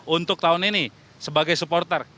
untuk tahun ini sebagai supporter